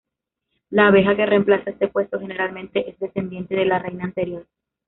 La abeja que reemplaza este puesto generalmente es descendiente de la reina anterior.